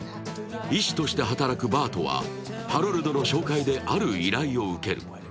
医師として働くバートはハロルドの紹介である依頼を受ける。